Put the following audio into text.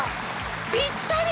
ぴったり！